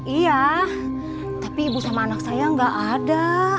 iya tapi ibu sama anak saya nggak ada